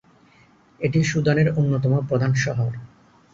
এটি সুদানের অন্যতম প্রধান শহর।